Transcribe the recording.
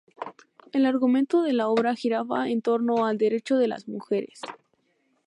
El argumento de la obra giraba en torno al derecho de las mujeres.